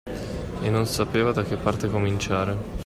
E non sapeva da che parte cominciare.